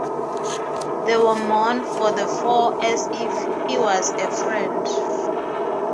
They were mourn for the foe as if he was a friend.